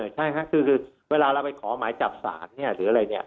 ใช่ค่ะคือเวลาเราไปขอหมายจับศาลหรืออะไร